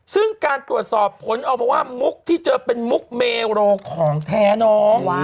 ซึ่งการตรวจสอบผลออกมาว่ามุกที่เจอเป็นมุกเมโรของแท้น้อง